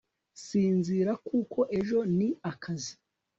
Sinzira kuko ejo ni akazi